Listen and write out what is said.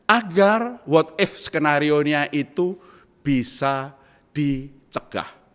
agar what if skenarionya itu bisa dicegah